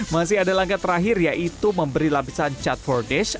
masih ada langkah terakhir yaitu memberi lapisan cat vordish